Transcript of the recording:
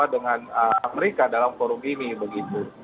dengan amerika dalam forum ini begitu